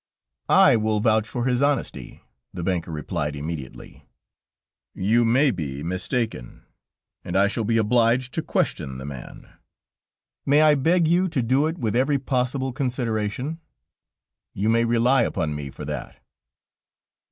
"I will vouch for his honesty," the banker replied immediately. "You may be mistaken, and I shall be obliged to question the man." "May I beg you to do it with every possible consideration?" "You may rely upon me for that."